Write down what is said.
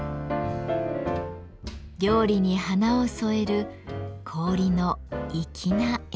料理に華を添える氷の粋な演出です。